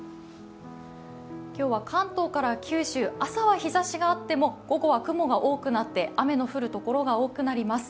今日は関東から九州、朝は日ざしがあっても午後は雲が多くなって雨の降るところが多くなります。